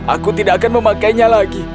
aku tidak akan memakainya lagi